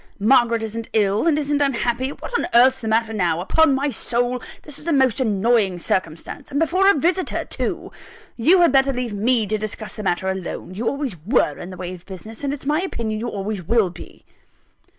Margaret isn't ill, and isn't unhappy what on earth's the matter now? Upon my soul this is a most annoying circumstance: and before a visitor too! You had better leave me to discuss the matter alone you always were in the way of business, and it's my opinion you always will be."